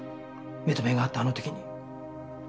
目と目が合ったあの時に。